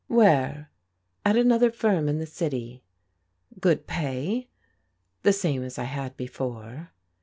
"Where?" " At another firm in the city." "Good pay?" " The same as I had before."